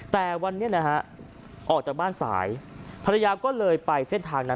แต่วันนี้นะฮะออกจากบ้านสายภรรยาก็เลยไปเส้นทางนั้น